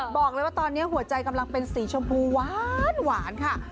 บอกเลยว่าตอนนี้หัวใจกำลังเป็นสีชมพูหวานค่ะ